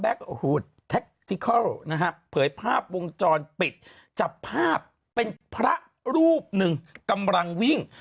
แท็กจิคอลนะฮะเผยภาพวงจรปิดจับภาพเป็นพระรูปหนึ่งกำลังวิ่ง